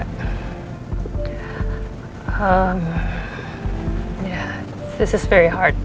ini sangat berat sangat berat buat saya